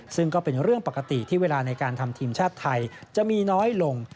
ซึ่งก็เป็นเรื่องปกติที่เวลาในการทำทีมชาติไทยจะมีน้อยลง